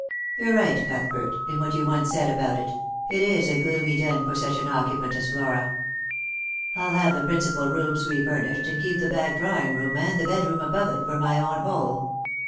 You're right, Cuthbert, in what you once said about it ; it is a gloomy den for such an occupant as Flora. I'll have the principal rooms refurnished, and keep the back drawing room and the bedroom above it for my own hole.